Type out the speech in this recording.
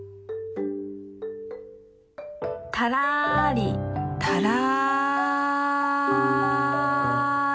たらりたらり。